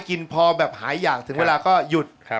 กินพอแบบหายอย่างถึงเวลาก็หยุด